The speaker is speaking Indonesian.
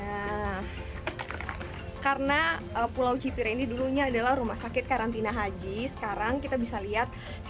nah karena pulau cipir ini dulunya adalah rumah sakit karantina haji sekarang kita bisa lihat sisa sisa reluntuhan yang dulu menyebabkan ini